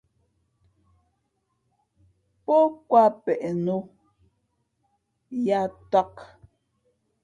Pó kwāt peʼ nō yāā tāk.